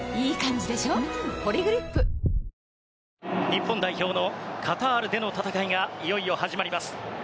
日本代表のカタールでの戦いがいよいよ始まります。